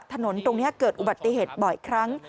ถนนตรงนี้เกิดอุบัติเหตุบ่อยครั้ง